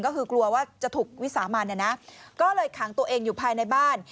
ก็คือกลัวว่าจะถูกวิสามันนะก็เลยขังตัวเองอยู่ภายในบ้าน